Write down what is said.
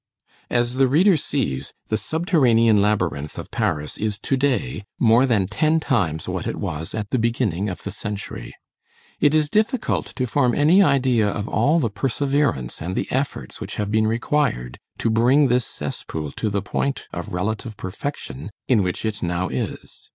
As the reader sees, the subterranean labyrinth of Paris is to day more than ten times what it was at the beginning of the century. It is difficult to form any idea of all the perseverance and the efforts which have been required to bring this cesspool to the point of relative perfection in which it now is.